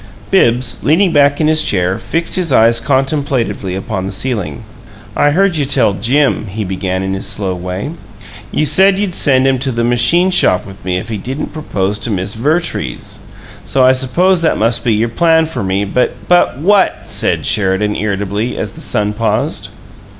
Bibbs, leaning back in his chair, fixed his eyes contemplatively upon the ceiling. "I heard you tell Jim," he began, in his slow way. "You said you'd send him to the machine shop with me if he didn't propose to Miss Vertrees. So I suppose that must be your plan for me. But " "But what?" said Sheridan, irritably, as the son paused.